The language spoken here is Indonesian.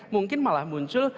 mungkin malah muncul